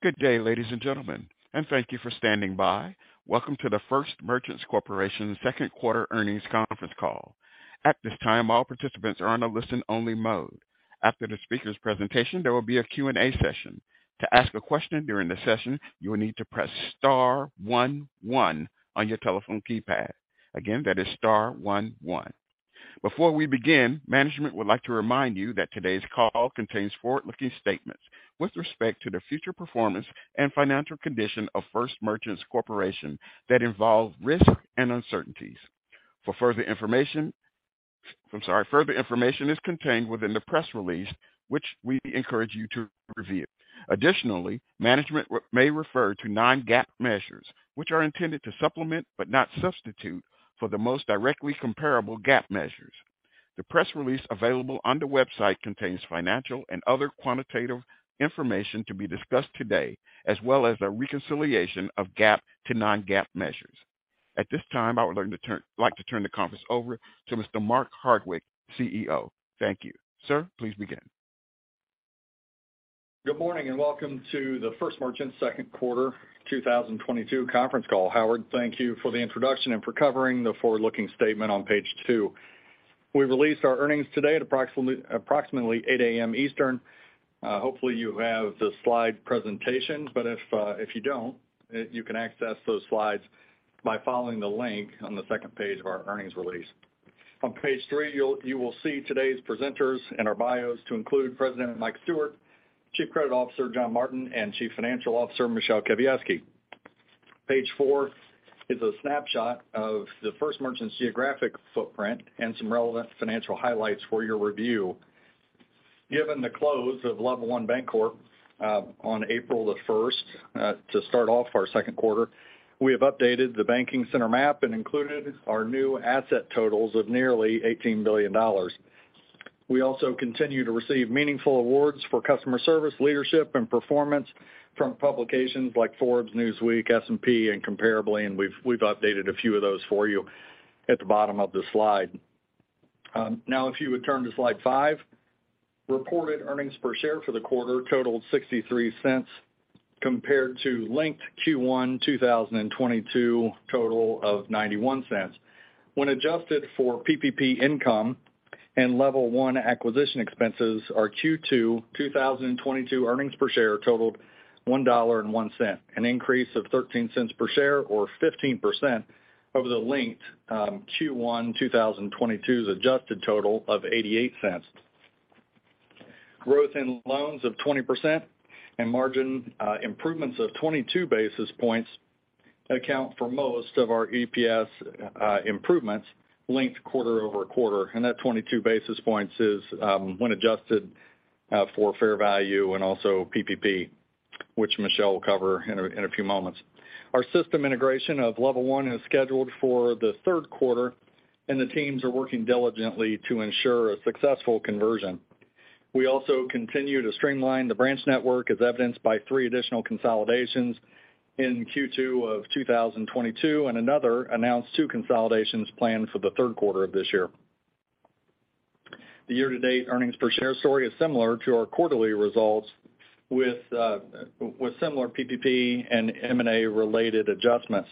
Good day, ladies and gentlemen, and thank you for standing by. Welcome to the First Merchants Corporation Second Quarter Earnings Conference Call. At this time, all participants are on a listen-only mode. After the speakers' presentation, there will be a Q&A session. To ask a question during the session, you will need to press star one one on your telephone keypad. Again, that is star one one. Before we begin, management would like to remind you that today's call contains forward-looking statements with respect to the future performance and financial condition of First Merchants Corporation that involve risk and uncertainties. Further information is contained within the press release, which we encourage you to review. Additionally, management may refer to non-GAAP measures, which are intended to supplement but not substitute for the most directly comparable GAAP measures. The press release available on the website contains financial and other quantitative information to be discussed today, as well as a reconciliation of GAAP to non-GAAP measures. At this time, I would like to turn the conference over to Mr. Mark Hardwick, CEO. Thank you. Sir, please begin. Good morning, and welcome to the First Merchants second quarter 2022 conference call. Howard, thank you for the introduction and for covering the forward-looking statement on page 2. We released our earnings today at approximately 8 A.M. Eastern. Hopefully, you have the slide presentation, but if you don't, you can access those slides by following the link on the second page of our earnings release. On page 3, you will see today's presenters and our bios, to include President Mike Stewart, Chief Credit Officer John Martin, and Chief Financial Officer Michele Kawiecki. Page 4 is a snapshot of the First Merchants geographic footprint and some relevant financial highlights for your review. Given the close of Level One Bancorp on April 1 to start off our second quarter, we have updated the banking center map and included our new asset totals of nearly $18 billion. We also continue to receive meaningful awards for customer service, leadership, and performance from publications like Forbes, Newsweek, S&P, and Comparably, and we've updated a few of those for you at the bottom of the slide. Now if you would turn to slide 5. Reported earnings per share for the quarter totaled $0.63 compared to linked Q1 2022 total of $0.91. When adjusted for PPP income and Level One acquisition expenses, our Q2 2022 earnings per share totaled $1.01, an increase of 13 cents per share or 15% over the linked Q1 2022's adjusted total of 88 cents. Growth in loans of 20% and margin improvements of 22 basis points account for most of our EPS improvements linked-quarter-over-quarter, and that 22 basis points is when adjusted for fair value and also PPP, which Michele will cover in a few moments. Our system integration of Level One is scheduled for the third quarter, and the teams are working diligently to ensure a successful conversion. We also continue to streamline the branch network as evidenced by 3 additional consolidations in Q2 of 2022 and another announced 2 consolidations planned for the third quarter of this year. The year-to-date earnings per share story is similar to our quarterly results with similar PPP and M&A-related adjustments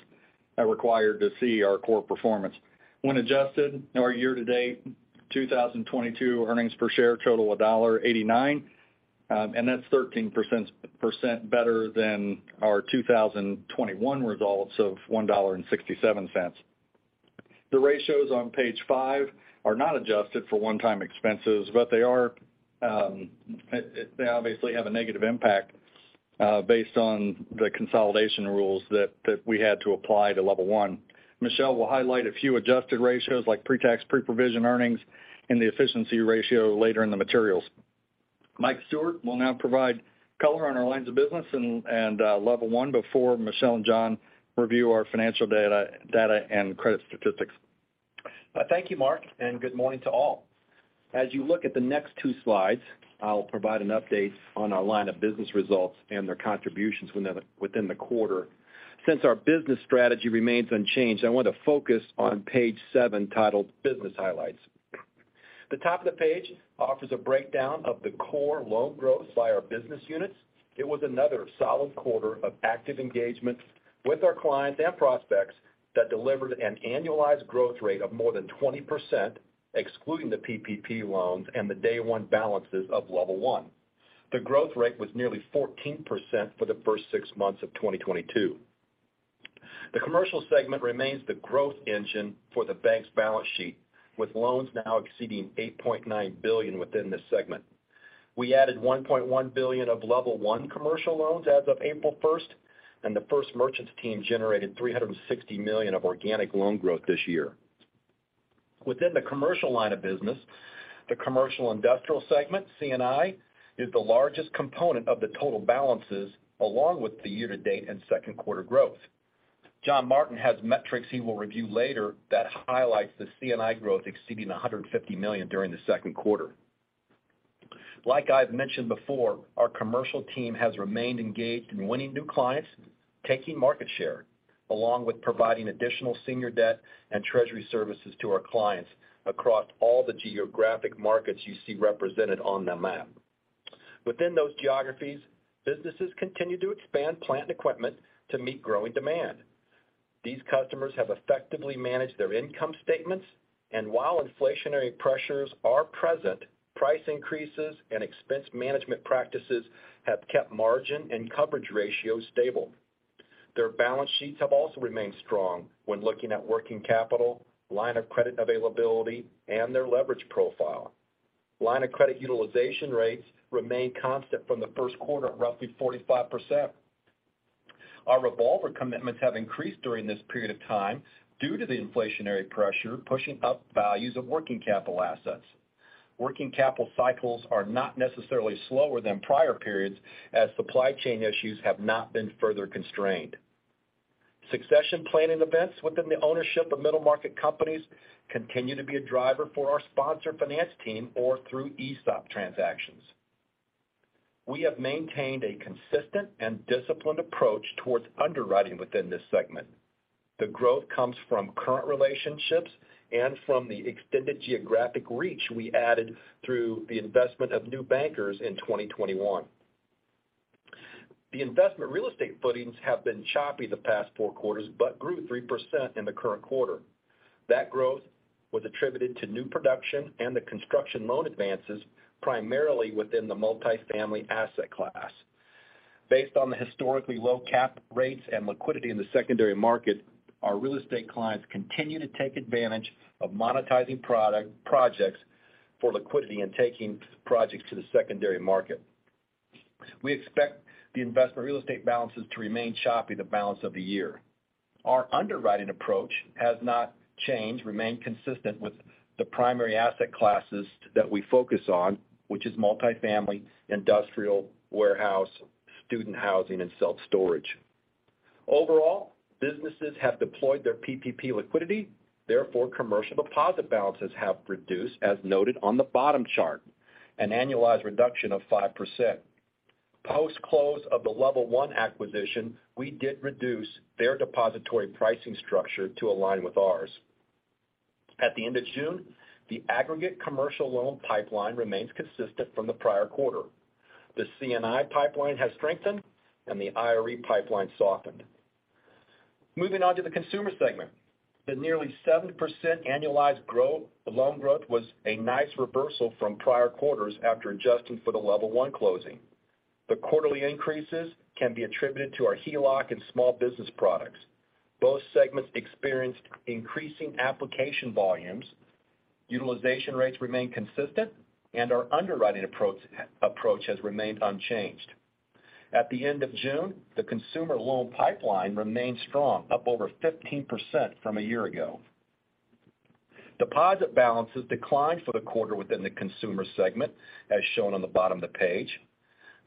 required to see our core performance. When adjusted, our year-to-date 2022 earnings per share total of $0.89 and that's 13% better than our 2021 results of $1.67. The ratios on page 5 are not adjusted for one-time expenses, but they are they obviously have a negative impact based on the consolidation rules that we had to apply to Level One. Michele will highlight a few adjusted ratios like pre-tax, pre-provision earnings and the efficiency ratio later in the materials. Mike Stewart will now provide color on our lines of business and Level One before Michele and John review our financial data and credit statistics. Thank you, Mark, and good morning to all. As you look at the next two slides, I'll provide an update on our line of business results and their contributions within the quarter. Since our business strategy remains unchanged, I want to focus on page seven, titled Business Highlights. The top of the page offers a breakdown of the core loan growth by our business units. It was another solid quarter of active engagement with our clients and prospects that delivered an annualized growth rate of more than 20%, excluding the PPP loans and the day one balances of Level One. The growth rate was nearly 14% for the first six months of 2022. The commercial segment remains the growth engine for the bank's balance sheet, with loans now exceeding $8.9 billion within this segment. We added $1.1 billion of Level One commercial loans as of April 1, and the First Merchants team generated $360 million of organic loan growth this year. Within the commercial line of business, the commercial industrial segment, C&I, is the largest component of the total balances along with the year-to-date and second quarter growth. John Martin has metrics he will review later that highlights the C&I growth exceeding $150 million during the second quarter. Like I've mentioned before, our commercial team has remained engaged in winning new clients. Taking market share, along with providing additional senior debt and treasury services to our clients across all the geographic markets you see represented on the map. Within those geographies, businesses continue to expand plant equipment to meet growing demand. These customers have effectively managed their income statements, and while inflationary pressures are present, price increases and expense management practices have kept margin and coverage ratios stable. Their balance sheets have also remained strong when looking at working capital, line of credit availability, and their leverage profile. Line of credit utilization rates remain constant from the first quarter at roughly 45%. Our revolver commitments have increased during this period of time due to the inflationary pressure pushing up values of working capital assets. Working capital cycles are not necessarily slower than prior periods as supply chain issues have not been further constrained. Succession planning events within the ownership of middle market companies continue to be a driver for our sponsor finance team or through ESOP transactions. We have maintained a consistent and disciplined approach towards underwriting within this segment. The growth comes from current relationships and from the extended geographic reach we added through the investment of new bankers in 2021. The investment real estate footings have been choppy the past 4 quarters but grew 3% in the current quarter. That growth was attributed to new production and the construction loan advances primarily within the multifamily asset class. Based on the historically low cap rates and liquidity in the secondary market, our real estate clients continue to take advantage of monetizing projects for liquidity and taking projects to the secondary market. We expect the investment real estate balances to remain choppy the balance of the year. Our underwriting approach has not changed, remain consistent with the primary asset classes that we focus on, which is multifamily, industrial, warehouse, student housing and self-storage. Overall, businesses have deployed their PPP liquidity, therefore commercial deposit balances have reduced, as noted on the bottom chart, an annualized reduction of 5%. Post-close of the Level One acquisition, we did reduce their depository pricing structure to align with ours. At the end of June, the aggregate commercial loan pipeline remains consistent from the prior quarter. The C&I pipeline has strengthened and the IRE pipeline softened. Moving on to the consumer segment. The nearly 7% annualized loan growth was a nice reversal from prior quarters after adjusting for the Level One closing. The quarterly increases can be attributed to our HELOC and small business products. Both segments experienced increasing application volumes. Utilization rates remain consistent and our underwriting approach has remained unchanged. At the end of June, the consumer loan pipeline remained strong, up over 15% from a year ago. Deposit balances declined for the quarter within the consumer segment, as shown on the bottom of the page.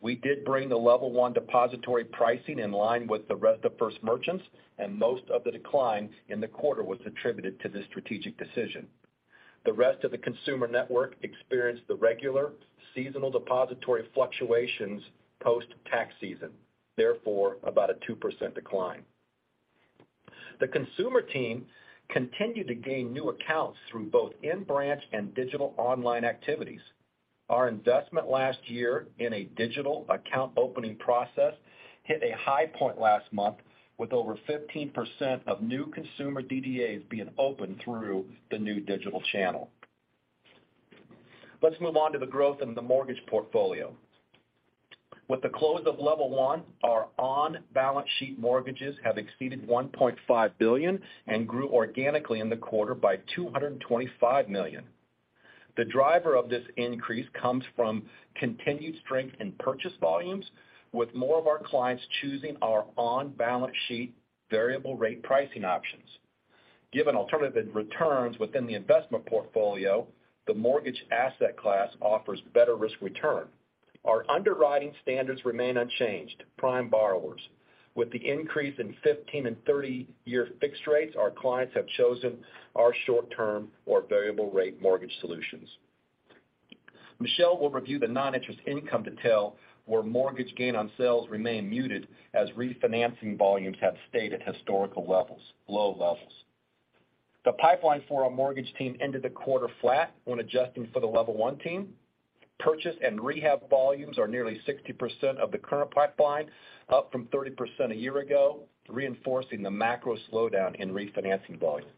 We did bring the Level One depository pricing in line with the rest of First Merchants, and most of the decline in the quarter was attributed to this strategic decision. The rest of the consumer network experienced the regular seasonal depository fluctuations post-tax season, therefore about a 2% decline. The consumer team continued to gain new accounts through both in-branch and digital online activities. Our investment last year in a digital account opening process hit a high point last month with over 15% of new consumer DDAs being opened through the new digital channel. Let's move on to the growth in the mortgage portfolio. With the close of Level One, our on-balance sheet mortgages have exceeded $1.5 billion and grew organically in the quarter by $225 million. The driver of this increase comes from continued strength in purchase volumes, with more of our clients choosing our on-balance sheet variable rate pricing options. Given alternative returns within the investment portfolio, the mortgage asset class offers better risk return. Our underwriting standards remain unchanged, prime borrowers. With the increase in 15- and 30-year fixed rates, our clients have chosen our short term or variable rate mortgage solutions. Michele will review the non-interest income detail where mortgage gain on sales remain muted as refinancing volumes have stayed at historical levels, low levels. The pipeline for our mortgage team ended the quarter flat when adjusting for the Level One team. Purchase and rehab volumes are nearly 60% of the current pipeline, up from 30% a year ago, reinforcing the macro slowdown in refinancing volumes.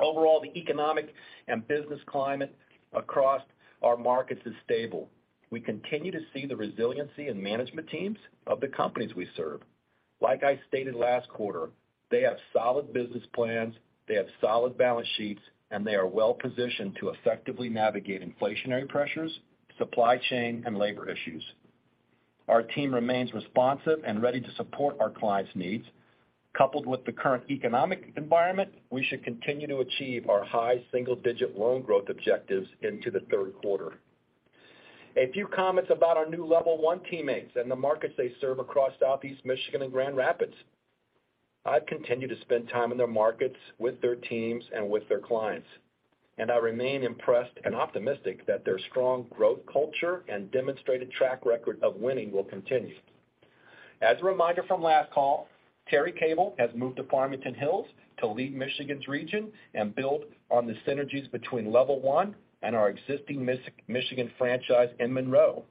Overall, the economic and business climate across our markets is stable. We continue to see the resiliency in management teams of the companies we serve. Like I stated last quarter, they have solid business plans, they have solid balance sheets, and they are well-positioned to effectively navigate inflationary pressures, supply chain and labor issues. Our team remains responsive and ready to support our clients' needs. Coupled with the current economic environment, we should continue to achieve our high single-digit loan growth objectives into the third quarter. A few comments about our new Level One teammates and the markets they serve across Southeast Michigan and Grand Rapids. I've continued to spend time in their markets with their teams and with their clients, and I remain impressed and optimistic that their strong growth culture and demonstrated track record of winning will continue. As a reminder from last call, Terry Cable has moved to Farmington Hills to lead Michigan's region and build on the synergies between Level One and our existing Mid-Michigan franchise in Monroe.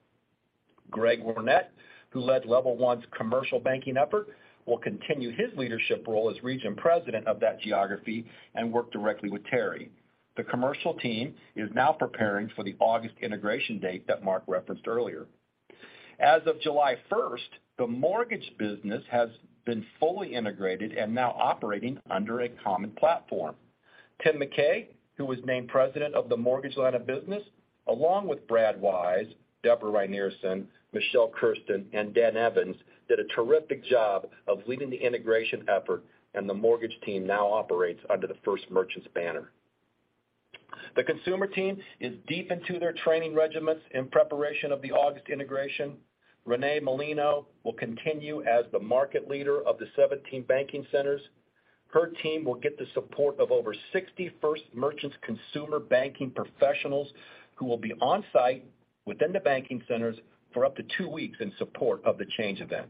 Greg Warnock, who led Level One's commercial banking effort, will continue his leadership role as region president of that geography and work directly with Terry. The commercial team is now preparing for the August integration date that Mark referenced earlier. As of July first, the mortgage business has been fully integrated and now operating under a common platform. Tim McKay, who was named president of the mortgage line of business, along with Brad Wise, Deborah Rynearson, Michele Kawiecki, and Dan Evans, did a terrific job of leading the integration effort and the mortgage team now operates under the First Merchants banner. The consumer team is deep into their training regimens in preparation for the August integration. Rene Molino will continue as the market leader of the 17 banking centers. Her team will get the support of over 60 First Merchants consumer banking professionals who will be on-site within the banking centers for up to 2 weeks in support of the change event.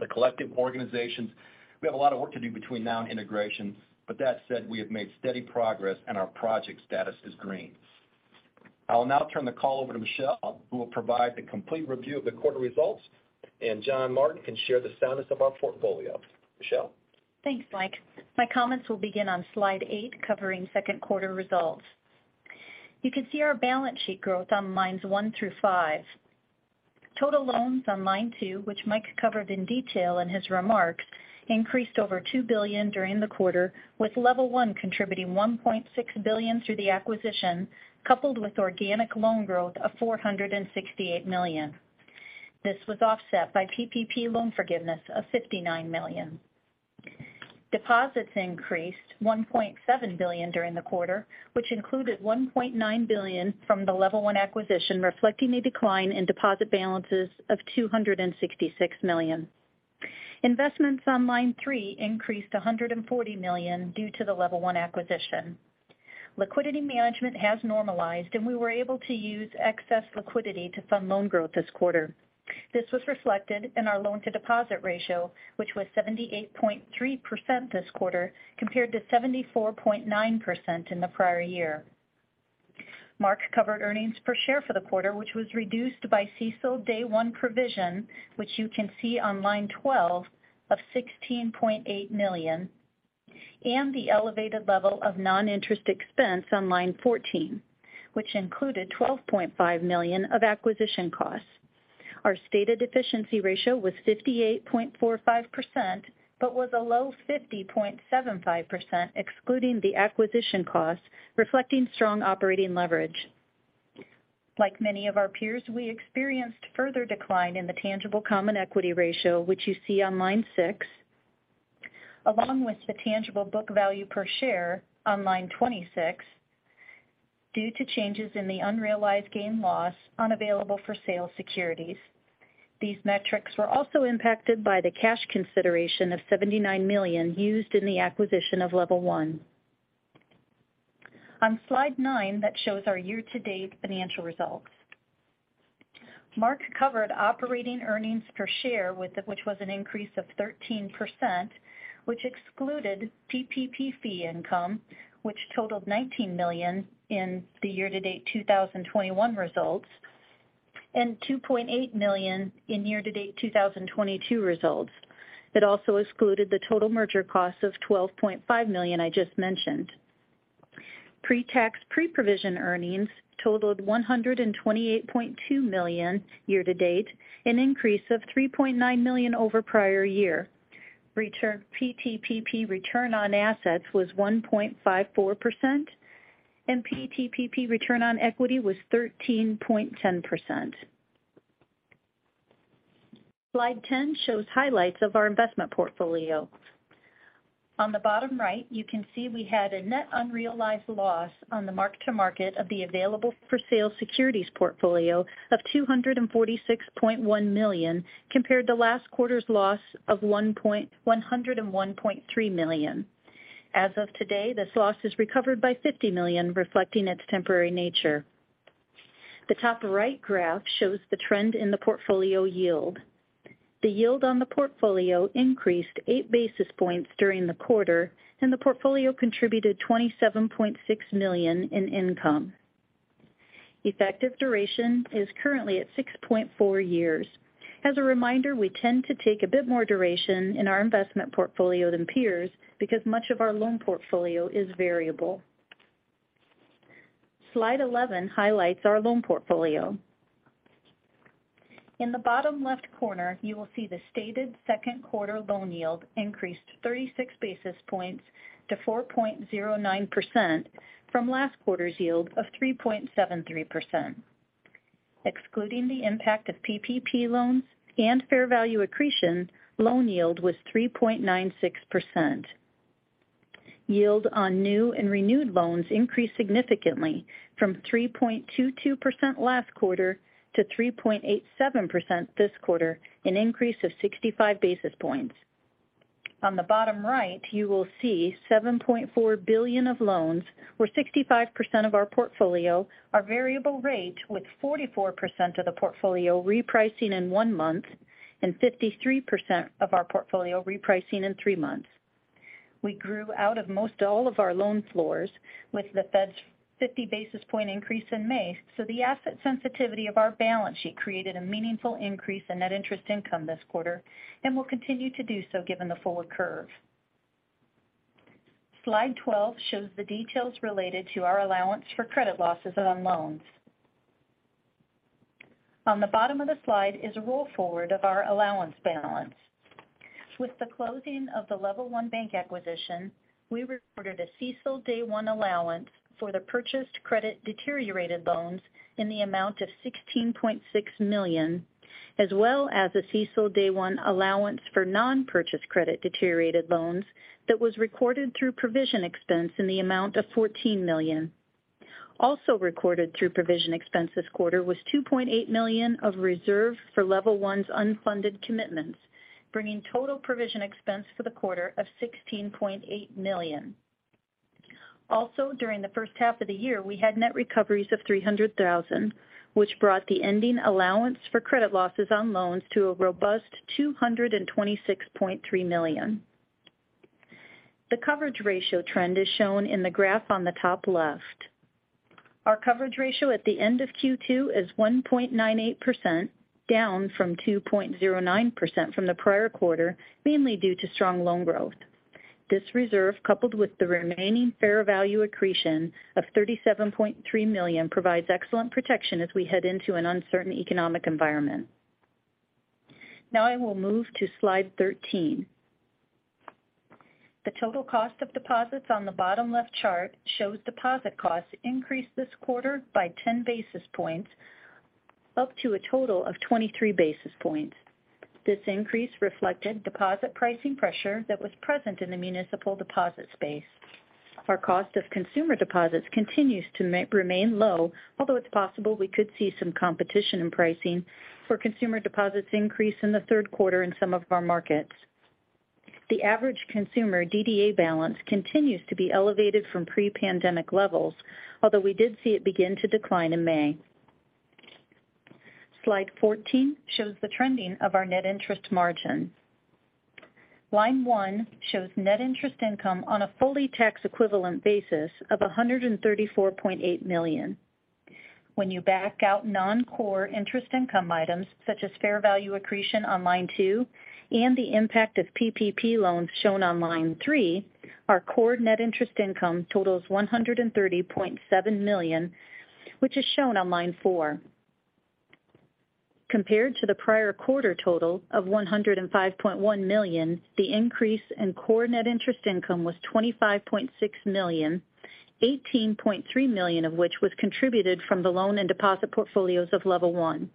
The collective organizations, we have a lot of work to do between now and integration. That said, we have made steady progress and our project status is green. I will now turn the call over to Michele, who will provide the complete review of the quarter results, and John Martin can share the soundness of our portfolio. Michele? Thanks, Mike. My comments will begin on slide 8, covering second quarter results. You can see our balance sheet growth on lines 1 through 5. Total loans on line 2, which Mike covered in detail in his remarks, increased over $2 billion during the quarter, with Level One contributing $1.6 billion through the acquisition, coupled with organic loan growth of $468 million. This was offset by PPP loan forgiveness of $59 million. Deposits increased $1.7 billion during the quarter, which included $1.9 billion from the Level One acquisition, reflecting a decline in deposit balances of $266 million. Investments on line 3 increased $140 million due to the Level One acquisition. Liquidity management has normalized, and we were able to use excess liquidity to fund loan growth this quarter. This was reflected in our loan to deposit ratio, which was 78.3% this quarter, compared to 74.9% in the prior year. Mark covered earnings per share for the quarter, which was reduced by CECL day one provision, which you can see on line 12 of $16.8 million, and the elevated level of non-interest expense on line 14, which included $12.5 million of acquisition costs. Our stated efficiency ratio was 58.45%, but was a low 50.75% excluding the acquisition cost, reflecting strong operating leverage. Like many of our peers, we experienced further decline in the tangible common equity ratio, which you see on line 6, along with the tangible book value per share on line 26 due to changes in the unrealized gains/losses on available-for-sale securities. These metrics were also impacted by the cash consideration of $79 million used in the acquisition of Level One. On slide nine that shows our year-to-date financial results. Mark covered operating earnings per share which was an increase of 13%, which excluded PPP fee income, which totaled $19 million in the year-to-date 2021 results, and $2.8 million in year-to-date 2022 results. It also excluded the total merger cost of $12.5 million I just mentioned. Pre-tax, pre-provision earnings totaled $128.2 million year to date, an increase of $3.9 million over prior year. PTPP return on assets was 1.54%, and PTPP return on equity was 13.10%. Slide ten shows highlights of our investment portfolio. On the bottom right, you can see we had a net unrealized loss on the mark-to-market of the available for sale securities portfolio of $246.1 million, compared to last quarter's loss of $101.3 million. As of today, this loss is recovered by $50 million, reflecting its temporary nature. The top right graph shows the trend in the portfolio yield. The yield on the portfolio increased 8 basis points during the quarter, and the portfolio contributed $27.6 million in income. Effective duration is currently at 6.4 years. As a reminder, we tend to take a bit more duration in our investment portfolio than peers because much of our loan portfolio is variable. Slide 11 highlights our loan portfolio. In the bottom left corner, you will see the stated second quarter loan yield increased 36 basis points to 4.09% from last quarter's yield of 3.73%. Excluding the impact of PPP loans and fair value accretion, loan yield was 3.96%. Yield on new and renewed loans increased significantly from 3.22% last quarter to 3.87% this quarter, an increase of 65 basis points. On the bottom right, you will see $7.4 billion of loans, where 65% of our portfolio are variable rate, with 44% of the portfolio repricing in one month and 53% of our portfolio repricing in three months. We grew out of most all of our loan floors with the Fed's 50 basis point increase in May, so the asset sensitivity of our balance sheet created a meaningful increase in net interest income this quarter and will continue to do so given the forward curve. Slide 12 shows the details related to our allowance for credit losses on loans. On the bottom of the slide is a roll forward of our allowance balance. With the closing of the Level One Bank acquisition, we recorded a CECL day one allowance for the purchased credit deteriorated loans in the amount of $16.6 million, as well as a CECL day one allowance for non-purchased credit deteriorated loans that was recorded through provision expense in the amount of $14 million. Also recorded through provision expense this quarter was $2.8 million of reserve for Level One's unfunded commitments, bringing total provision expense for the quarter of $16.8 million. Also, during the first half of the year, we had net recoveries of $300 thousand, which brought the ending allowance for credit losses on loans to a robust $226.3 million. The coverage ratio trend is shown in the graph on the top left. Our coverage ratio at the end of Q2 is 1.98%, down from 2.09% from the prior quarter, mainly due to strong loan growth. This reserve, coupled with the remaining fair value accretion of $37.3 million, provides excellent protection as we head into an uncertain economic environment. Now I will move to slide 13. The total cost of deposits on the bottom left chart shows deposit costs increased this quarter by 10 basis points, up to a total of 23 basis points. This increase reflected deposit pricing pressure that was present in the municipal deposit space. Our cost of consumer deposits continues to remain low, although it's possible we could see some competition in pricing for consumer deposits increase in the third quarter in some of our markets. The average consumer DDA balance continues to be elevated from pre-pandemic levels, although we did see it begin to decline in May. Slide 14 shows the trending of our net interest margin. Line one shows net interest income on a fully tax equivalent basis of $134.8 million. When you back out non-core interest income items such as fair value accretion on line two and the impact of PPP loans shown on line three, our core net interest income totals $130.7 million, which is shown on line four. Compared to the prior quarter total of $105.1 million, the increase in core net interest income was $25.6 million, $18.3 million of which was contributed from the loan and deposit portfolios of Level One.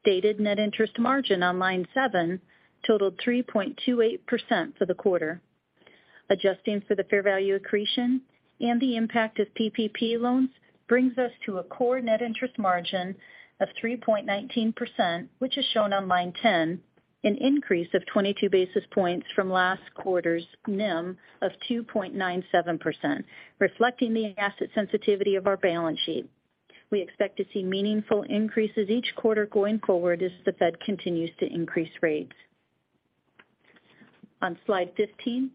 Stated net interest margin on line seven totaled 3.28% for the quarter. Adjusting for the fair value accretion and the impact of PPP loans brings us to a core net interest margin of 3.19%, which is shown on line 10, an increase of 22 basis points from last quarter's NIM of 2.97%, reflecting the asset sensitivity of our balance sheet. We expect to see meaningful increases each quarter going forward as the Fed continues to increase rates. On slide 15,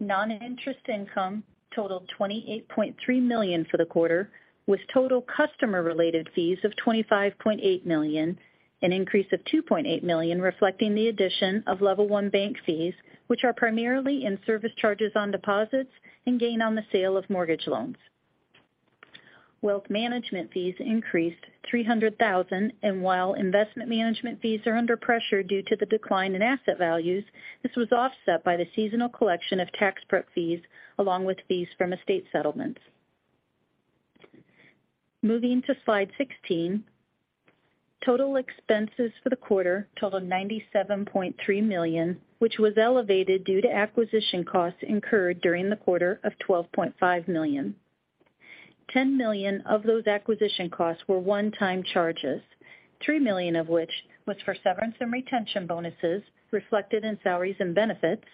non-interest income totaled $28.3 million for the quarter, with total customer related fees of $25.8 million, an increase of $2.8 million, reflecting the addition of Level One Bank fees, which are primarily in service charges on deposits and gain on the sale of mortgage loans. Wealth management fees increased $300,000, and while investment management fees are under pressure due to the decline in asset values, this was offset by the seasonal collection of tax prep fees along with fees from estate settlements. Moving to slide 16, total expenses for the quarter totaled $97.3 million, which was elevated due to acquisition costs incurred during the quarter of $12.5 million. $10 million of those acquisition costs were one-time charges, $3 million of which was for severance and retention bonuses reflected in salaries and benefits,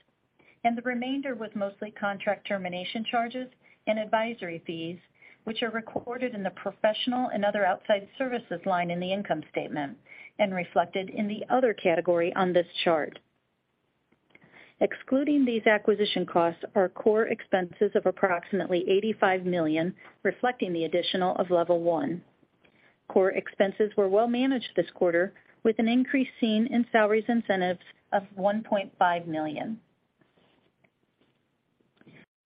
and the remainder was mostly contract termination charges and advisory fees, which are recorded in the professional and other outside services line in the income statement and reflected in the other category on this chart. Excluding these acquisition costs are core expenses of approximately $85 million, reflecting the addition of Level One. Core expenses were well managed this quarter, with an increase seen in salaries incentives of $1.5 million.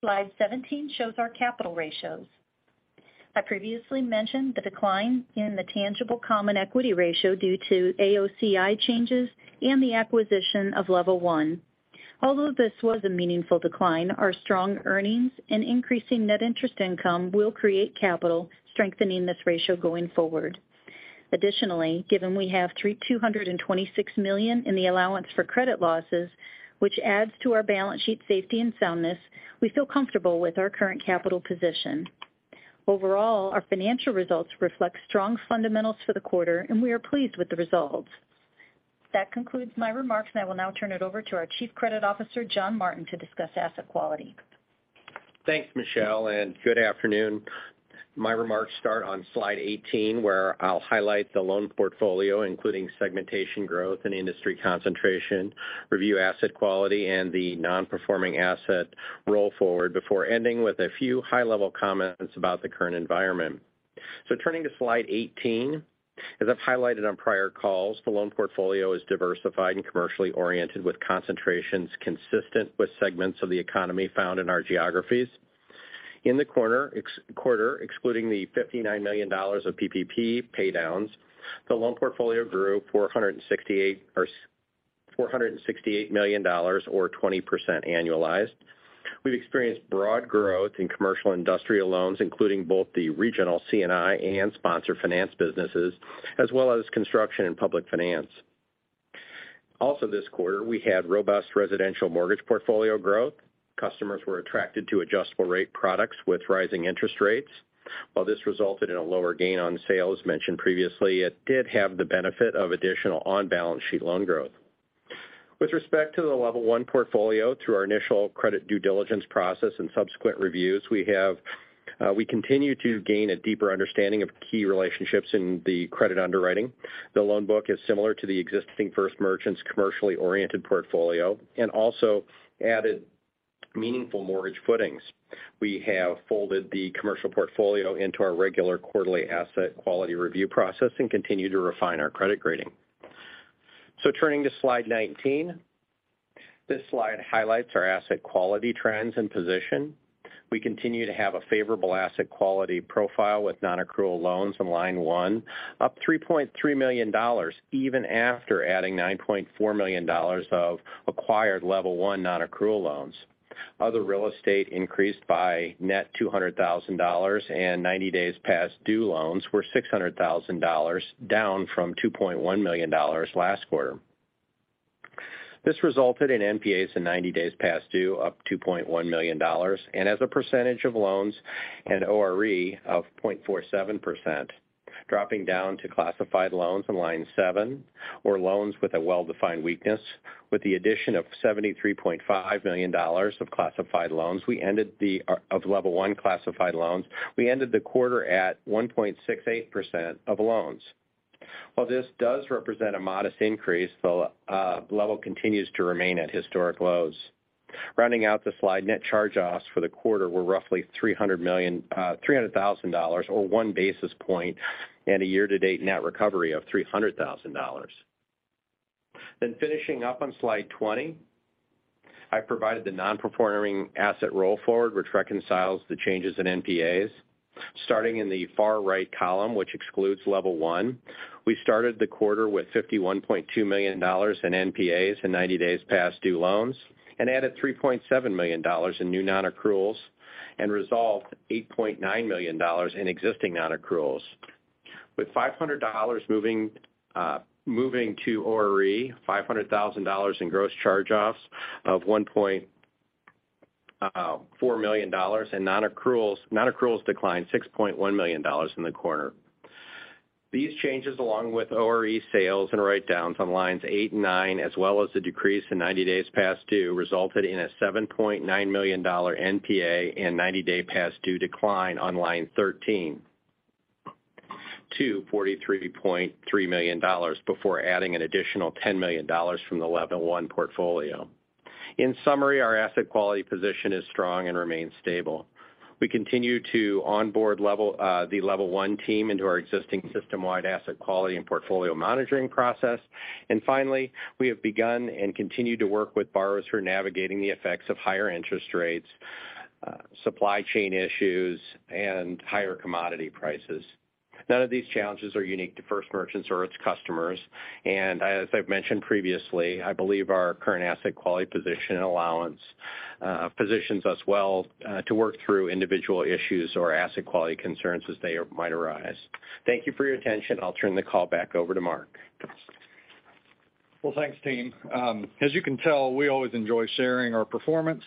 Slide 17 shows our capital ratios. I previously mentioned the decline in the tangible common equity ratio due to AOCI changes and the acquisition of Level One. Although this was a meaningful decline, our strong earnings and increasing net interest income will create capital strengthening this ratio going forward. Additionally, given we have $226 million in the allowance for credit losses, which adds to our balance sheet safety and soundness, we feel comfortable with our current capital position. Overall, our financial results reflect strong fundamentals for the quarter, and we are pleased with the results. That concludes my remarks, and I will now turn it over to our Chief Credit Officer, John Martin, to discuss asset quality. Thanks, Michele, and good afternoon. My remarks start on slide 18, where I'll highlight the loan portfolio, including segmentation growth and industry concentration, review asset quality, and the non-performing asset roll forward before ending with a few high-level comments about the current environment. Turning to slide 18. As I've highlighted on prior calls, the loan portfolio is diversified and commercially oriented, with concentrations consistent with segments of the economy found in our geographies. In the quarter, excluding the $59 million of PPP paydowns, the loan portfolio grew $468 million or 20% annualized. We've experienced broad growth in commercial industrial loans, including both the regional C&I and sponsor finance businesses as well as construction and public finance. Also this quarter, we had robust residential mortgage portfolio growth. Customers were attracted to adjustable rate products with rising interest rates. While this resulted in a lower gain on sales mentioned previously, it did have the benefit of additional on-balance sheet loan growth. With respect to the Level One portfolio, through our initial credit due diligence process and subsequent reviews, we have, we continue to gain a deeper understanding of key relationships in the credit underwriting. The loan book is similar to the existing First Merchants commercially oriented portfolio and also added meaningful mortgage footings. We have folded the commercial portfolio into our regular quarterly asset quality review process and continue to refine our credit grading. Turning to slide 19. This slide highlights our asset quality trends and position. We continue to have a favorable asset quality profile with non-accrual loans on line one up $3.3 million even after adding $9.4 million of acquired Level One non-accrual loans. Other real estate increased by net $200,000 and 90 days past due loans were $600,000, down from $2.1 million last quarter. This resulted in NPAs and 90 days past due up $2.1 million and as a percentage of loans and ORE of 0.47%. Dropping down to classified loans on line seven or loans with a well-defined weakness. With the addition of $73.5 million of classified loans from Level One, we ended the quarter at 1.68% of loans. While this does represent a modest increase, the level continues to remain at historic lows. Rounding out the slide, net charge-offs for the quarter were roughly $300,000 or 1 basis point and a year-to-date net recovery of $300,000. Finishing up on slide 20, I provided the non-performing asset roll forward, which reconciles the changes in NPAs. Starting in the far right column, which excludes Level One, we started the quarter with $51.2 million in NPAs and 90 days past due loans and added $3.7 million in new non-accruals and resolved $8.9 million in existing non-accruals. With $500,000 moving to ORE, $500,000 in gross charge-offs and $1.4 million in non-accruals. Non-accruals declined $6.1 million in the quarter. These changes, along with ORE sales and write-downs on lines 8 and 9, as well as the decrease in 90 days past due, resulted in a $7.9 million NPA and 90-day past due decline on line 13 to $43.3 million before adding an additional $10 million from the Level One portfolio. In summary, our asset quality position is strong and remains stable. We continue to onboard the Level One team into our existing system-wide asset quality and portfolio monitoring process. Finally, we have begun and continue to work with borrowers who are navigating the effects of higher interest rates, supply chain issues and higher commodity prices. None of these challenges are unique to First Merchants or its customers. As I've mentioned previously, I believe our current asset quality position and allowance positions us well to work through individual issues or asset quality concerns as they might arise. Thank you for your attention. I'll turn the call back over to Mark. Well, thanks, team. As you can tell, we always enjoy sharing our performance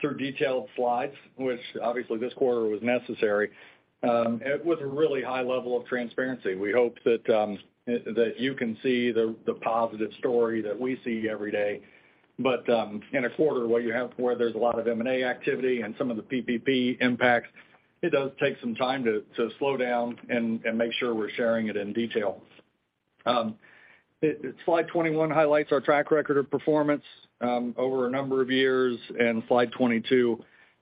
through detailed slides, which obviously this quarter was necessary with a really high level of transparency. We hope that you can see the positive story that we see every day. In a quarter where there's a lot of M&A activity and some of the PPP impacts, it does take some time to slow down and make sure we're sharing it in detail. Slide 21 highlights our track record of performance over a number of years, and slide 22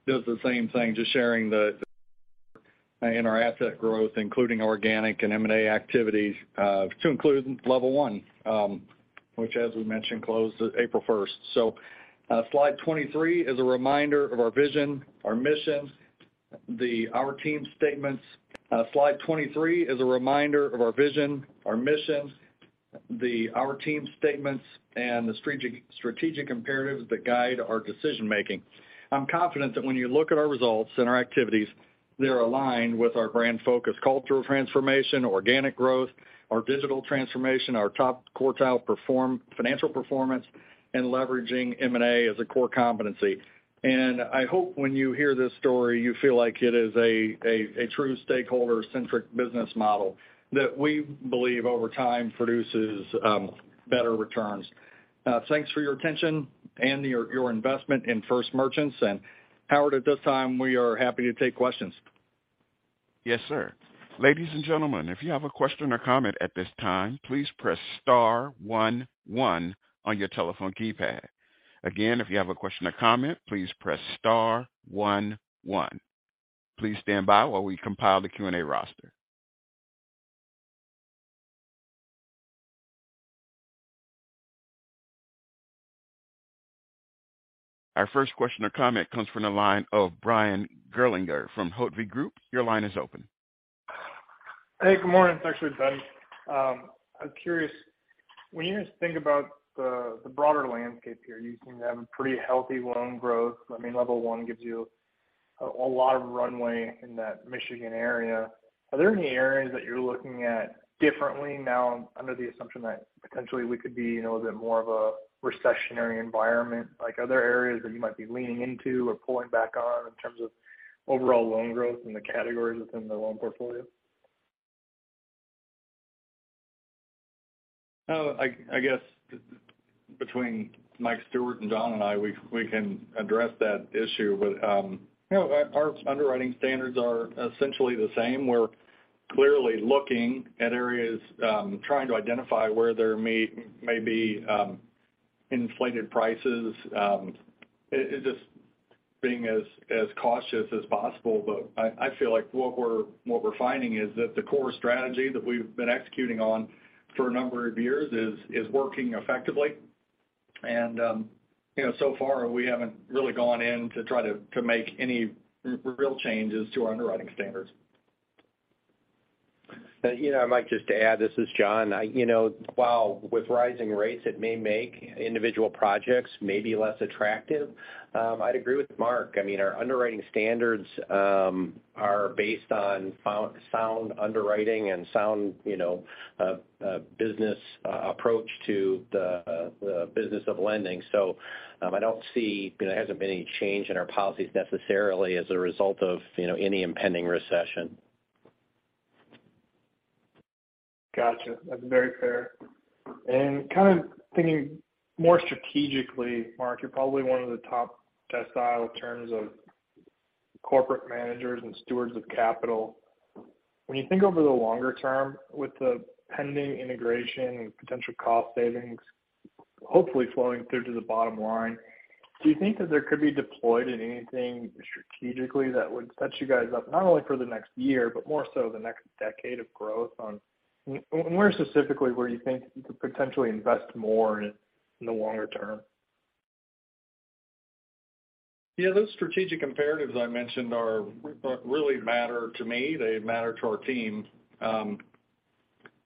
does the same thing, just sharing the, in our asset growth, including organic and M&A activities, to include Level One, which as we mentioned, closed April first. Slide 23 is a reminder of our vision, our mission, our team statements and the strategic imperatives that guide our decision making. I'm confident that when you look at our results and our activities, they're aligned with our brand focus, cultural transformation, organic growth, our digital transformation, our top quartile financial performance, and leveraging M&A as a core competency. I hope when you hear this story, you feel like it is a true stakeholder-centric business model that we believe over time produces better returns. Thanks for your attention and your investment in First Merchants. Howard, at this time, we are happy to take questions. Yes, sir. Ladies and gentlemen, if you have a question or comment at this time, please press star one one on your telephone keypad. Again, if you have a question or comment, please press star one one. Please stand by while we compile the Q&A roster. Our first question or comment comes from the line of Ben Gerlinger from Hovde Group. Your line is open. Hey, good morning. It's actually Ben. I'm curious, when you think about the broader landscape here, you seem to have a pretty healthy loan growth. I mean, Level One gives you a lot of runway in that Michigan area. Are there any areas that you're looking at differently now under the assumption that potentially we could be, you know, a bit more of a recessionary environment, like other areas that you might be leaning into or pulling back on in terms of overall loan growth in the categories within the loan portfolio? No, I guess between Mike Stewart and John and I, we can address that issue with, you know, our underwriting standards are essentially the same. We're clearly looking at areas, trying to identify where there may be inflated prices, it just being as cautious as possible. I feel like what we're finding is that the core strategy that we've been executing on for a number of years is working effectively. You know, so far we haven't really gone in to try to make any real changes to our underwriting standards. You know, I might just add, this is John. You know, while with rising rates it may make individual projects maybe less attractive, I'd agree with Mark. I mean, our underwriting standards are based on sound underwriting and sound business approach to the business of lending. I don't see. There hasn't been any change in our policies necessarily as a result of you know any impending recession. Gotcha. That's very fair. Kind of thinking more strategically, Mark, you're probably one of the top decile in terms of corporate managers and stewards of capital. When you think over the longer term with the pending integration and potential cost savings, hopefully flowing through to the bottom line, do you think that there could be deployed in anything strategically that would set you guys up not only for the next year, but more so the next decade of growth? Where specifically you think you could potentially invest more in the longer term? Yeah. Those strategic imperatives I mentioned are really matter to me, they matter to our team.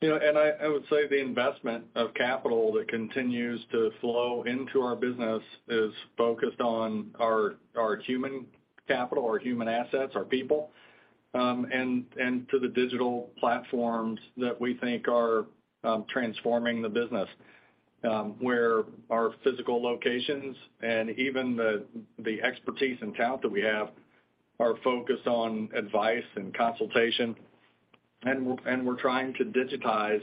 You know, I would say the investment of capital that continues to flow into our business is focused on our human capital, our human assets, our people, and to the digital platforms that we think are transforming the business, where our physical locations and even the expertise and talent that we have are focused on advice and consultation. We're trying to digitize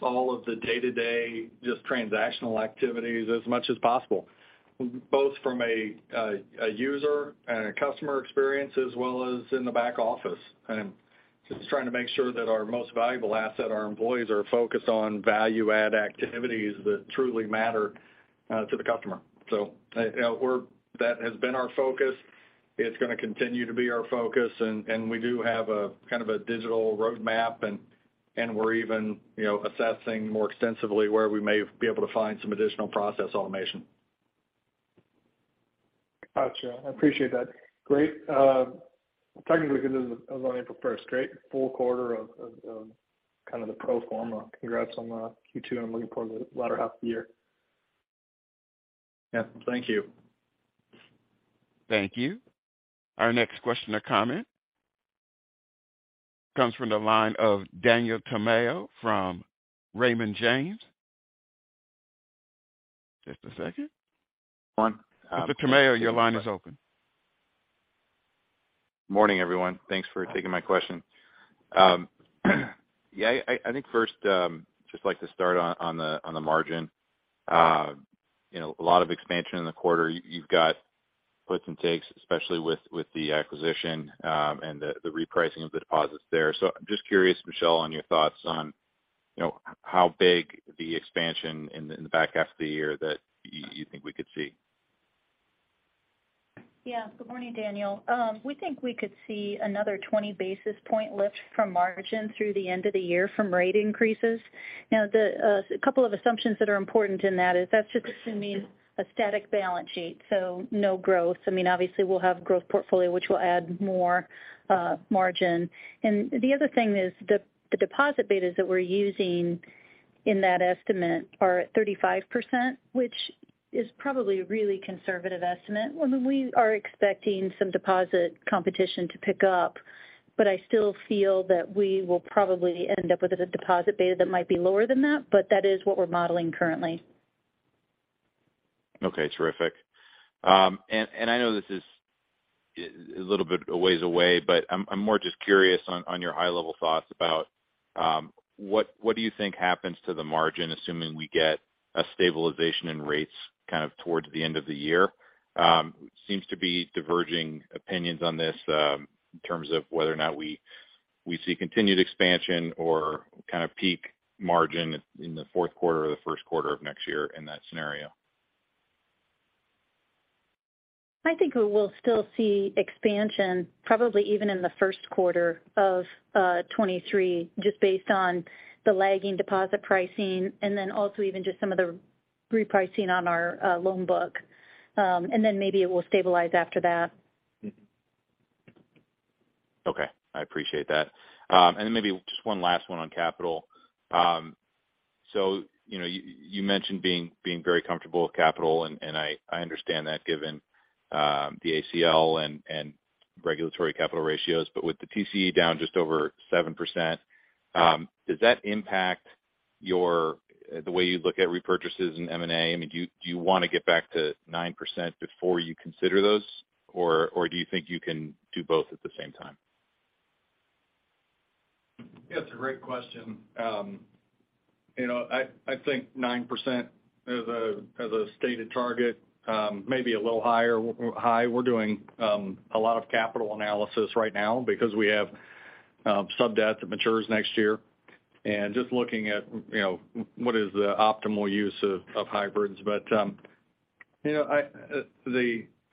all of the day-to-day just transactional activities as much as possible, both from a user and a customer experience as well as in the back office. Just trying to make sure that our most valuable asset, our employees, are focused on value add activities that truly matter to the customer. You know, that has been our focus. It's gonna continue to be our focus, and we do have a kind of a digital roadmap and we're even, you know, assessing more extensively where we may be able to find some additional process automation. Gotcha. I appreciate that. Great. Technically, this is as of April first full quarter of kind of the pro forma. Congrats on Q2 and looking forward to the latter half of the year. Yeah. Thank you. Thank you. Our next question or comment comes from the line of Daniel Tamayo from Raymond James. Just a second. Mr. Tamayo, your line is open. Morning, everyone. Thanks for taking my question. Yeah, I think first, just like to start on the margin. You know, a lot of expansion in the quarter. You've got puts and takes, especially with the acquisition and the repricing of the deposits there. I'm just curious, Michele, on your thoughts on, you know, how big the expansion in the back half of the year that you think we could see. Yeah. Good morning, Daniel. We think we could see another 20 basis points lift from margin through the end of the year from rate increases. Now, a couple of assumptions that are important in that is that's just assuming a static balance sheet, so no growth. I mean, obviously we'll have growth portfolio, which will add more margin. The other thing is the deposit betas that we're using in that estimate are at 35%, which is probably a really conservative estimate. I mean, we are expecting some deposit competition to pick up, but I still feel that we will probably end up with a deposit beta that might be lower than that, but that is what we're modeling currently. Okay. Terrific. I know this is a little bit a ways away, but I'm more just curious on your high-level thoughts about what do you think happens to the margin, assuming we get a stabilization in rates kind of towards the end of the year? Seems to be diverging opinions on this, in terms of whether or not we see continued expansion or kind of peak margin in the fourth quarter or the first quarter of next year in that scenario. I think we will still see expansion probably even in the first quarter of 2023, just based on the lagging deposit pricing and then also even just some of the repricing on our loan book. Maybe it will stabilize after that. Okay. I appreciate that. And then maybe just one last one on capital. So, you know, you mentioned being very comfortable with capital, and I understand that given the ACL and regulatory capital ratios. With the TCE down just over 7%, does that impact the way you look at repurchases in M&A? I mean, do you want to get back to 9% before you consider those? Or do you think you can do both at the same time? That's a great question. You know, I think 9% as a stated target, maybe a little higher. We're doing a lot of capital analysis right now because we have sub-debt that matures next year. Just looking at, you know, what is the optimal use of hybrids. You know,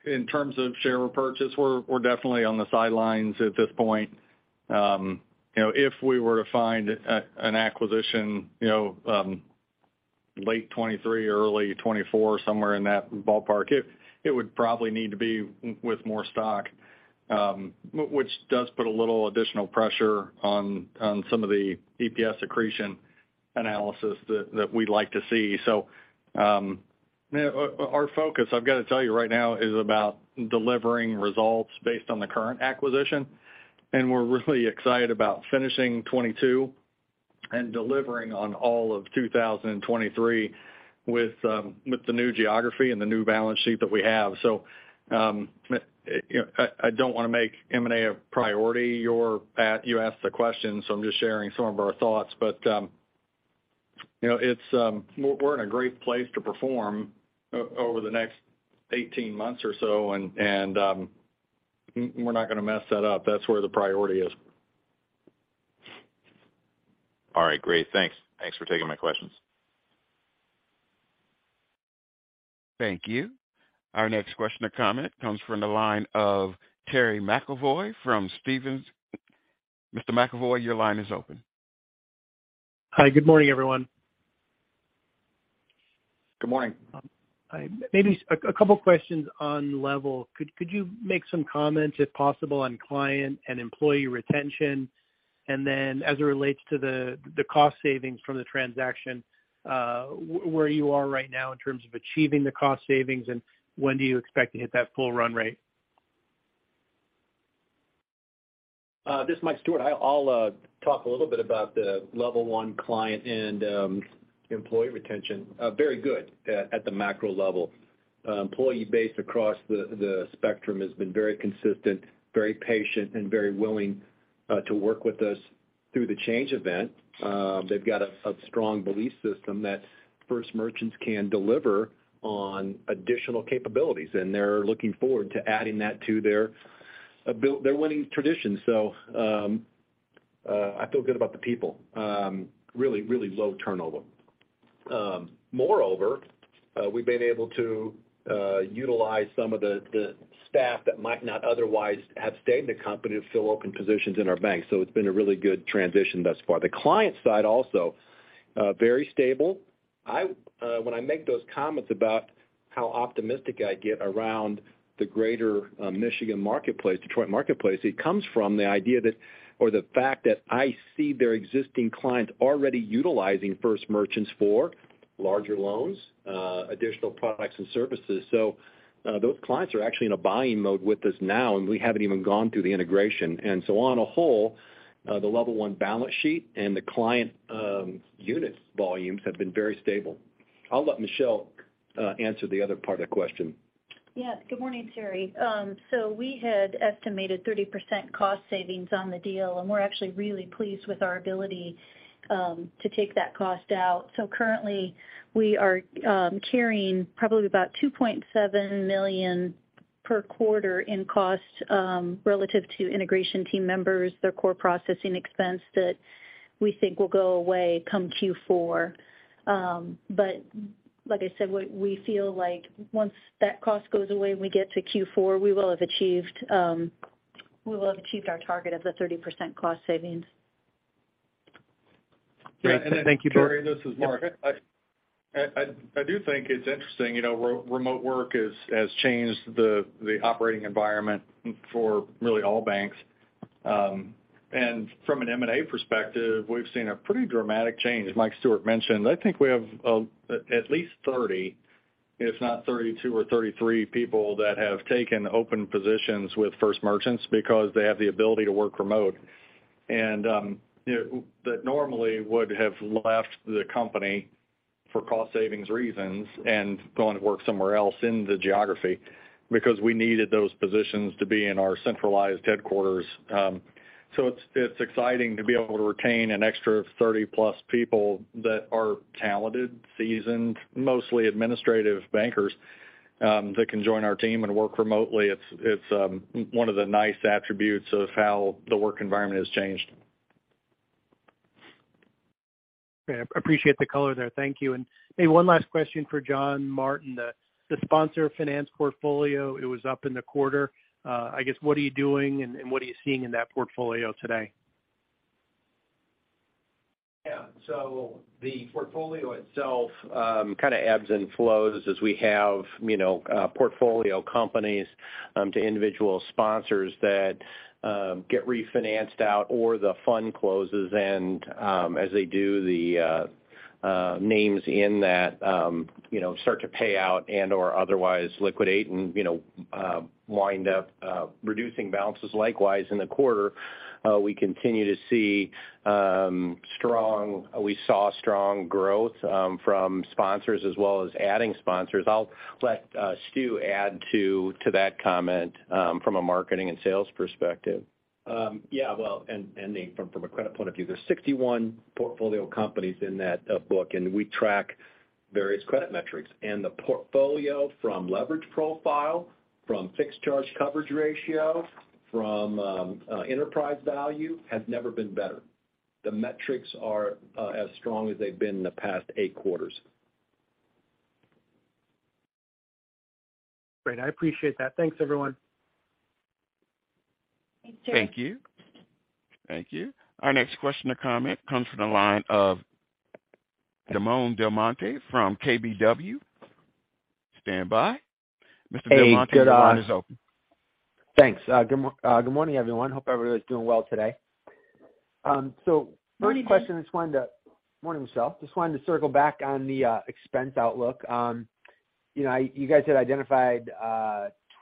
in terms of share repurchase, we're definitely on the sidelines at this point. You know, if we were to find an acquisition, you know, late 2023, early 2024, somewhere in that ballpark, it would probably need to be with more stock, which does put a little additional pressure on some of the EPS accretion analysis that we'd like to see. Our focus, I've got to tell you right now, is about delivering results based on the current acquisition, and we're really excited about finishing 2022 and delivering on all of 2023 with the new geography and the new balance sheet that we have. You know, I don't wanna make M&A a priority. You asked the question, so I'm just sharing some of our thoughts. You know, it's. We're in a great place to perform over the next 18 months or so, and we're not gonna mess that up. That's where the priority is. All right. Great. Thanks. Thanks for taking my questions. Thank you. Our next question or comment comes from the line of Terry McEvoy from Stephens. Mr. McEvoy, your line is open. Hi. Good morning, everyone. Good morning. Maybe a couple questions on Level. Could you make some comments, if possible, on client and employee retention? Then as it relates to the cost savings from the transaction, where you are right now in terms of achieving the cost savings, and when do you expect to hit that full run rate? This is Mike Stewart. I'll talk a little bit about the Level One client and employee retention. Very good at the macro level. Employee base across the spectrum has been very consistent, very patient, and very willing to work with us through the change event. They've got a strong belief system that First Merchants can deliver on additional capabilities, and they're looking forward to adding that to their winning tradition. I feel good about the people. Really low turnover. Moreover, we've been able to utilize some of the staff that might not otherwise have stayed in the company to fill open positions in our bank. It's been a really good transition thus far. The client side also very stable. When I make those comments about how optimistic I get around the greater Michigan marketplace, Detroit marketplace, it comes from the idea that or the fact that I see their existing clients already utilizing First Merchants for larger loans, additional products and services. Those clients are actually in a buying mode with us now, and we haven't even gone through the integration. On the whole, the Level One balance sheet and the client units volumes have been very stable. I'll let Michelle answer the other part of the question. Yes. Good morning, Terry. We had estimated 30% cost savings on the deal, and we're actually really pleased with our ability to take that cost out. Currently, we are carrying probably about $2.7 million per quarter in cost relative to integration team members, their core processing expense that we think will go away come Q4. But like I said, we feel like once that cost goes away and we get to Q4, we will have achieved our target of the 30% cost savings. Great. Thank you both. Terry, this is Mark. I do think it's interesting, you know, remote work has changed the operating environment for really all banks. From an M&A perspective, we've seen a pretty dramatic change. As Mike Stewart mentioned, I think we have at least 30, if not 32 or 33 people that have taken open positions with First Merchants because they have the ability to work remote. You know, that normally would have left the company for cost savings reasons and gone to work somewhere else in the geography because we needed those positions to be in our centralized headquarters. It's exciting to be able to retain an extra 30+ people that are talented, seasoned, mostly administrative bankers that can join our team and work remotely. It's one of the nice attributes of how the work environment has changed. Okay. I appreciate the color there. Thank you. Maybe one last question for John Martin. The sponsor finance portfolio, it was up in the quarter. I guess, what are you doing and what are you seeing in that portfolio today? The portfolio itself, kind of ebbs and flows as we have, you know, portfolio companies to individual sponsors that get refinanced out or the fund closes. As they do the names in that, you know, start to pay out and/or otherwise liquidate and, you know, wind up reducing balances. Likewise, in the quarter, we continue to see, we saw strong growth from sponsors as well as adding sponsors. I'll let Stu add to that comment from a marketing and sales perspective. Yeah. Well, from a credit point of view, there's 61 portfolio companies in that book, and we track various credit metrics. The portfolio from leverage profile, from fixed charge coverage ratio, from enterprise value has never been better. The metrics are as strong as they've been in the past 8 quarters. Great. I appreciate that. Thanks, everyone. Thanks, Terry McEvoy. Thank you. Thank you. Our next question or comment comes from the line of Damon DelMonte from KBW. Stand by. Mr. DelMonte- Hey, good. Your line is open. Thanks. Good morning, everyone. Hope everybody's doing well today. First question, just wanted to- Morning. Morning, Michele. Just wanted to circle back on the expense outlook. You know, you guys had identified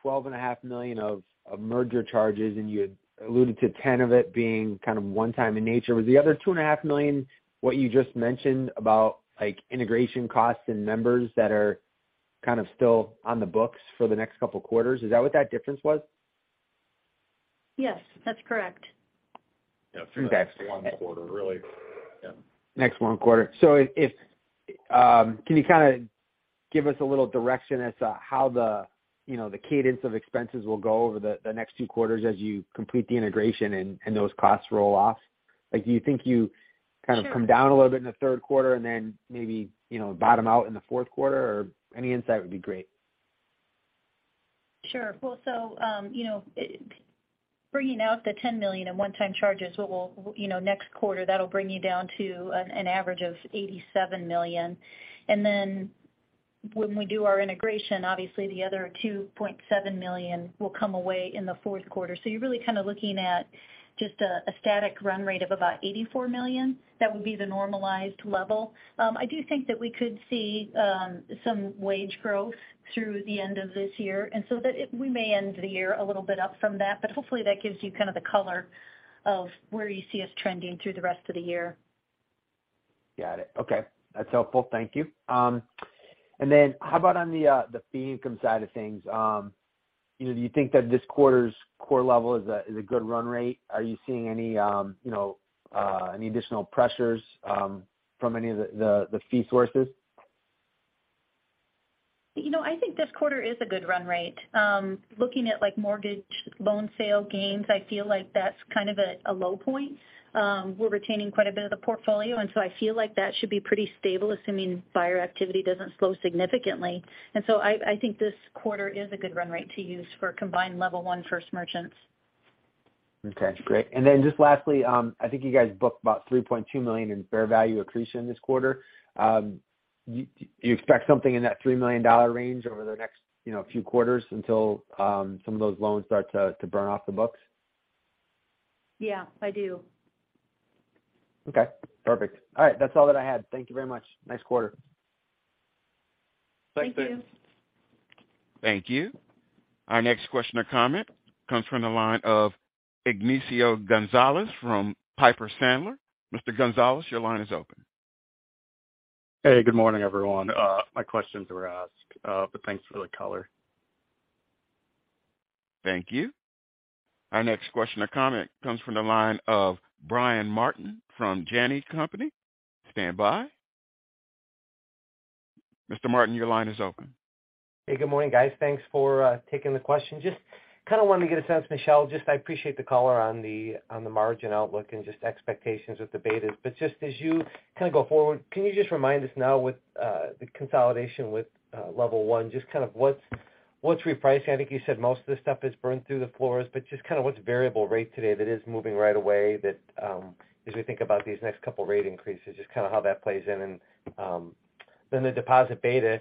$12.5 million of merger charges, and you had alluded to $10 million of it being kind of one time in nature. Was the other $2.5 million, what you just mentioned about like integration costs and members that are kind of still on the books for the next couple quarters? Is that what that difference was? Yes, that's correct. Yeah. Okay. Through the next 1 quarter, really. Yeah. Next quarter. Can you kind of give us a little direction as to how the, you know, the cadence of expenses will go over the next two quarters as you complete the integration and those costs roll off? Sure Come down a little bit in the third quarter and then maybe, you know, bottom out in the fourth quarter or any insight would be great? Sure. Well, you know, bringing out the $10 million in one-time charges, what we'll, you know, next quarter, that'll bring you down to an average of $87 million. Then when we do our integration, obviously the other $2.7 million will go away in the fourth quarter. You're really kind of looking at just a static run rate of about $84 million. That would be the normalized level. I do think that we could see some wage growth through the end of this year. We may end the year a little bit up from that, but hopefully that gives you kind of the color of where you see us trending through the rest of the year. Got it. Okay. That's helpful. Thank you. How about on the fee income side of things? You know, do you think that this quarter's core level is a good run rate? Are you seeing any, you know, any additional pressures from any of the fee sources? You know, I think this quarter is a good run rate. Looking at like mortgage loan sale gains, I feel like that's kind of a low point. We're retaining quite a bit of the portfolio, and so I feel like that should be pretty stable, assuming buyer activity doesn't slow significantly. I think this quarter is a good run rate to use for combined Level One First Merchants. Okay, great. Just lastly, I think you guys booked about $3.2 million in fair value accretion this quarter. Do you expect something in that $3 million range over the next, you know, few quarters until some of those loans start to burn off the books? Yeah, I do. Okay, perfect. All right. That's all that I had. Thank you very much. Nice quarter. Thanks. Thank you. Thank you. Our next question or comment comes from the line of Nathan Race from Piper Sandler. Mr. Race, your line is open. Hey, good morning, everyone. My questions were asked. Thanks for the color. Thank you. Our next question or comment comes from the line of Brian Martin from Janney Montgomery Scott. Stand by. Mr. Martin, your line is open. Hey, good morning, guys. Thanks for taking the question. Just kind of wanted to get a sense, Michelle, just I appreciate the color on the, on the margin outlook and just expectations with the betas. But just as you kind of go forward, can you just remind us now with the consolidation with Level One, just kind of what's repricing? I think you said most of the stuff is burned through the floors, but just kind of what's variable rate today that is moving right away that, as we think about these next couple rate increases, just kind of how that plays in. Then the deposit beta.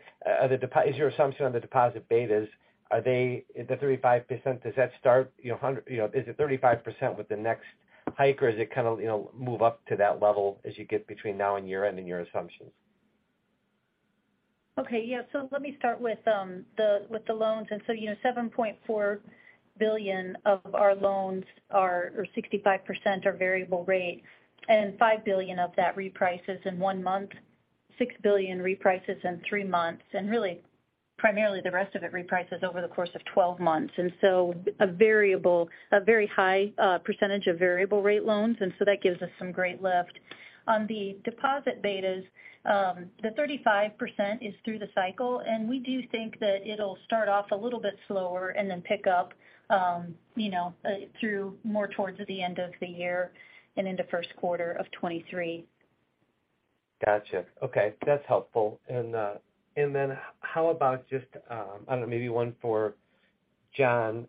Is your assumption on the deposit betas, are they the 35%, does that start, you know, 100, you know, is it 35% with the next hike? Is it kind of, you know, move up to that level as you get between now and year-end in your assumptions? Okay, yeah. Let me start with the loans. You know, $7.4 billion of our loans are, or 65% are variable rate. $5 billion of that reprices in one month, $6 billion reprices in three months, and really primarily the rest of it reprices over the course of 12 months. A very high percentage of variable rate loans, and that gives us some great lift. On the deposit betas, the 35% is through the cycle, and we do think that it'll start off a little bit slower and then pick up, you know, through more towards the end of the year and in the first quarter of 2023. Gotcha. Okay, that's helpful. Then how about just, I don't know, maybe one for John.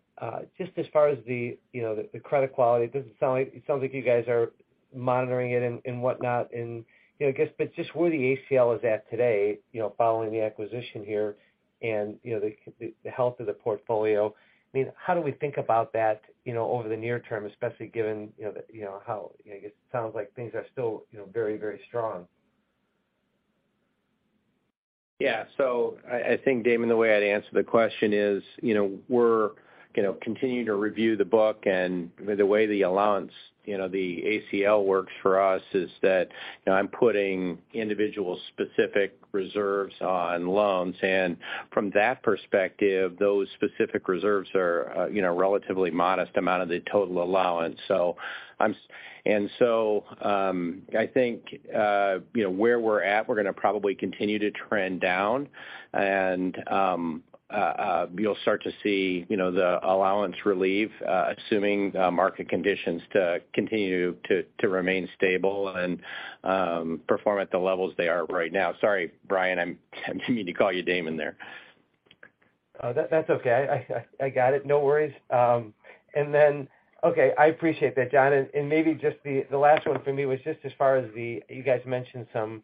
Just as far as the, you know, the credit quality. It sounds like you guys are monitoring it and whatnot. You know, I guess, but just where the ACL is at today, you know, following the acquisition here and, you know, the health of the portfolio. I mean, how do we think about that, you know, over the near term, especially given, you know, the, you know, how, you know, I guess it sounds like things are still, you know, very, very strong. Yeah. I think, Damon, the way I'd answer the question is, you know, we're, you know, continuing to review the book and the way the allowance, you know, the ACL works for us is that I'm putting individual specific reserves on loans. From that perspective, those specific reserves are, you know, relatively modest amount of the total allowance. I think, you know, where we're at, we're gonna probably continue to trend down. You'll start to see, you know, the allowance relief, assuming the market conditions to continue to remain stable and perform at the levels they are right now. Sorry, Brian, I didn't mean to call you Damon there. Oh, that's okay. I got it. No worries. Then, okay, I appreciate that, John. Maybe just the last one for me was just as far as you guys mentioned some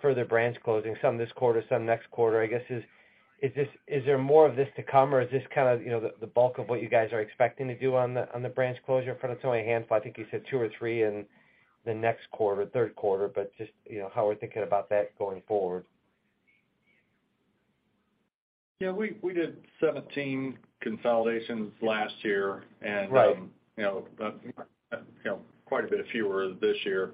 further branch closings, some this quarter, some next quarter. I guess is this, is there more of this to come, or is this kind of, you know, the bulk of what you guys are expecting to do on the branch closure front? It's only a handful. I think you said two or three in the next quarter, third quarter. Just, you know, how we're thinking about that going forward. Yeah. We did 17 consolidations last year. Right. You know, quite a bit fewer this year.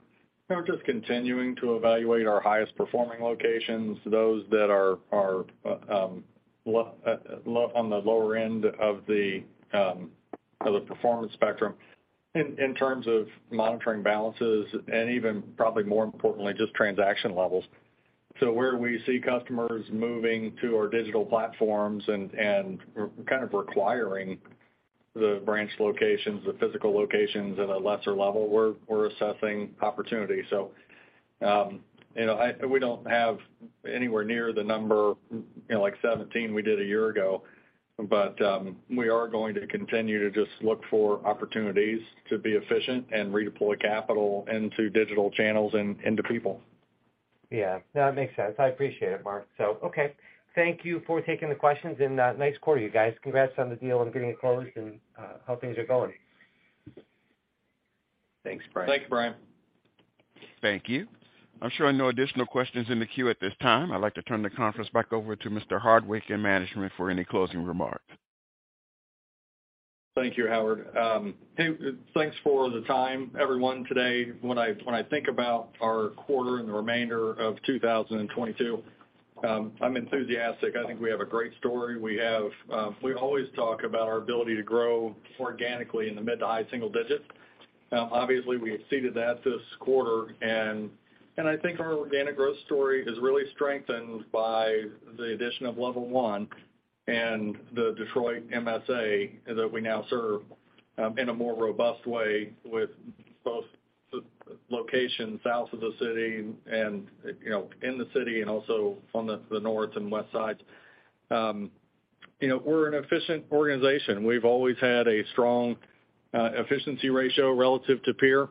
You know, just continuing to evaluate our highest performing locations, those that are on the lower end of the performance spectrum in terms of monitoring balances and even probably more importantly, just transaction levels. Where we see customers moving to our digital platforms and kind of requiring the branch locations, the physical locations at a lesser level, we're assessing opportunities. You know, we don't have anywhere near the number, you know, like 17 we did a year ago. We are going to continue to just look for opportunities to be efficient and redeploy capital into digital channels and into people. Yeah. No, it makes sense. I appreciate it, Mark. Okay. Thank you for taking the questions. Nice quarter, you guys. Congrats on the deal and getting it closed and how things are going. Thanks, Brian. Thanks, Brian. Thank you. I'm showing no additional questions in the queue at this time. I'd like to turn the conference back over to Mr. Hardwick and management for any closing remarks. Thank you, Howard. Hey, thanks for the time, everyone, today. When I think about our quarter and the remainder of 2022, I'm enthusiastic. I think we have a great story. We always talk about our ability to grow organically in the mid to high single digits. Obviously, we exceeded that this quarter. I think our organic growth story is really strengthened by the addition of Level One and the Detroit MSA that we now serve in a more robust way with both locations south of the city and, you know, in the city and also on the north and west sides. You know, we're an efficient organization. We've always had a strong efficiency ratio relative to peer.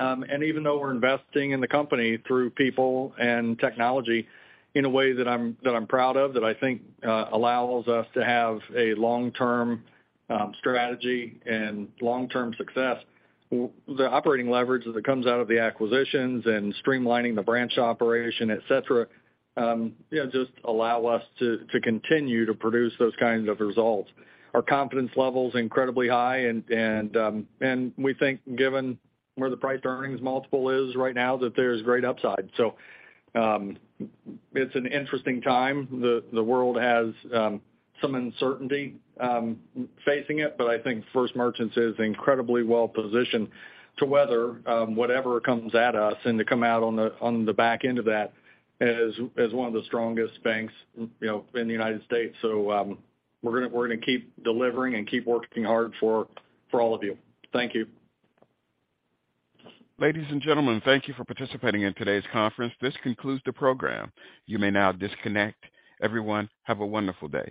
Even though we're investing in the company through people and technology in a way that I'm proud of, that I think allows us to have a long-term strategy and long-term success, the operating leverage that comes out of the acquisitions and streamlining the branch operation, et cetera, you know, just allow us to continue to produce those kinds of results. Our confidence level's incredibly high and we think given where the price earnings multiple is right now, that there's great upside. It's an interesting time. The world has some uncertainty facing it, but I think First Merchants is incredibly well positioned to weather whatever comes at us and to come out on the back end of that as one of the strongest banks, you know, in the United States. We're gonna keep delivering and keep working hard for all of you. Thank you. Ladies and gentlemen, thank you for participating in today's conference. This concludes the program. You may now disconnect. Everyone, have a wonderful day.